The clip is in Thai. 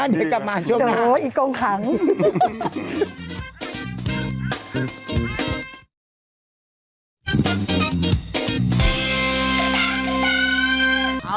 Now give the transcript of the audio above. กระดาษที่ยัดในท้าวนั่นจะจับดูใช่ไหมถุงเท้าหรือเปล่า